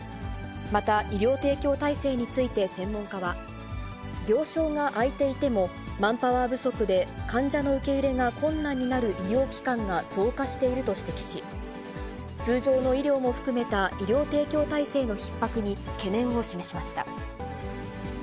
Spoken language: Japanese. また、医療提供体制について専門家は、病床が空いていても、マンパワー不足で患者の受け入れが困難になる医療機関が増加していると指摘し、通常の医療も含めた医療提供体制のひっ迫に懸念を示しました。